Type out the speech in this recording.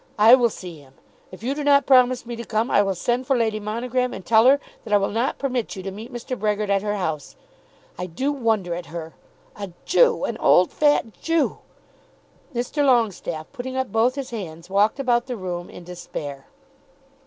I will see him. If you do not promise me to come, I will send for Lady Monogram and tell her that I will not permit you to meet Mr. Brehgert at her house. I do wonder at her. A Jew! An old fat Jew!" Mr. Longestaffe, putting up both his hands, walked about the room in despair.